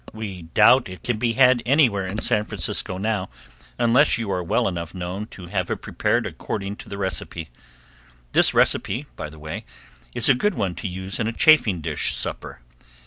We doubt if it can be had anywhere in San Francisco now unless you are well enough known to have it prepared according to the recipe. This recipe, by the way, is a good one to use in a chafing dish supper.